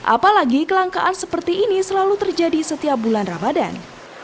apalagi kelangkaan seperti ini selalu terjadi setiap bulan ramadan